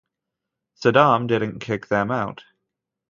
Saddam didn't kick them out.